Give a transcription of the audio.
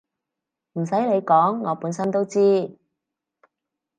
唔使你講我本身都知